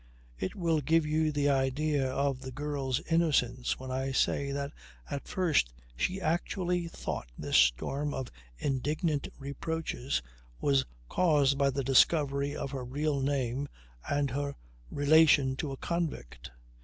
It will give you the idea of the girl's innocence when I say that at first she actually thought this storm of indignant reproaches was caused by the discovery of her real name and her relation to a convict.